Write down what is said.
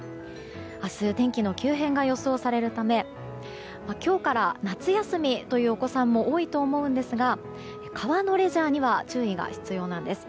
明日、天気の急変が予想されるため今日から夏休みというお子さんも多いと思うんですが川のレジャーには注意が必要なんです。